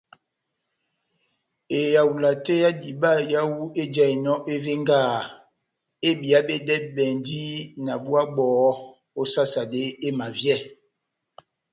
Ehawula tɛ́h ya diba yawu ejahinɔ evengaha ebiyedɛbɛndi náh búwa bó sasade emavyɛ.